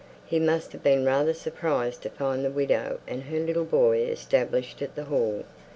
He must have been rather surprised to find the widow and her little boy established at the Hall.